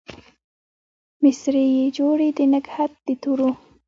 مسرۍ يې جوړې د نګهت د تورو